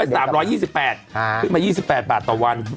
ว่าจะเป็น๓๒๘ขึ้นมา๒๘บาทต่อวัน